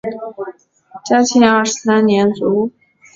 嘉庆二十三年卒。